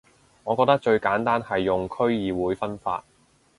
我覺得最簡單係用區議會分法